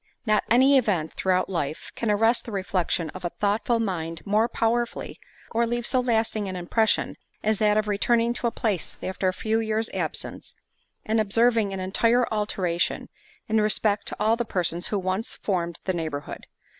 Not any event, throughout life, can arrest the reflection of a thoughtful mind more powerfully, or leave so lasting an impression, as that of returning to a place after a few years absence, and observing an entire alteration, in respect to all the persons who once formed the neighbourhood.